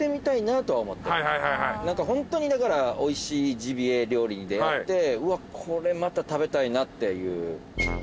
何かホントにだからおいしいジビエ料理に出合ってうわっこれまた食べたいなっていう。